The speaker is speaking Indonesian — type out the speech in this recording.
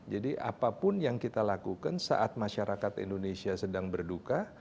jadi apapun yang kita lakukan saat masyarakat indonesia sedang berduka